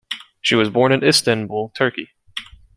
She was born in Istanbul, Turkey.